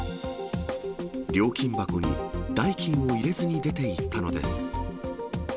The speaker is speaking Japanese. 料金箱に代金を入れずに出ていったのです。